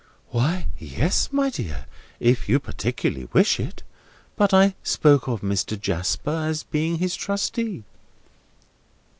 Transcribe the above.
"Why, yes, my dear, if you particularly wish it; but I spoke of Mr. Jasper as being his trustee."